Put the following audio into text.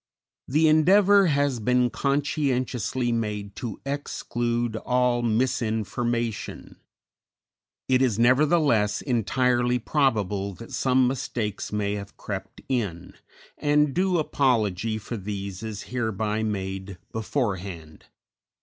The endeavor has been conscientiously made to exclude all misinformation; it is, nevertheless, entirely probable that some mistakes may have crept in, and due apology for these is hereby made beforehand.